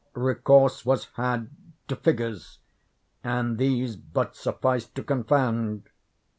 Recourse was had to figures, and these but sufficed to confound.